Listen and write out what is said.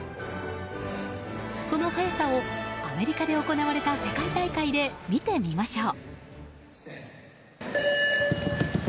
その速さをアメリカで行われた世界大会で見てみましょう。